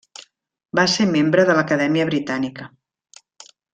Va ser membre de l'Acadèmia Britànica.